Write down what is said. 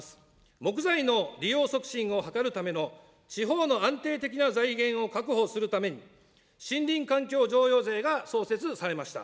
木材の利用促進を図るための地方の安定的な財源を確保するために、森林環境譲与税が創設されました。